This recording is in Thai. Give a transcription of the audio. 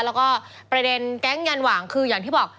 แล้วก็ประเด็นแก๊งยันหว่างคืออย่างที่บอก